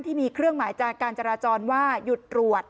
ที่มีเครื่องหมายจากการจราจรว่าหยุดตรวจ